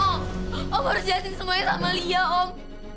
om om harus jahatin semuanya sama liliah om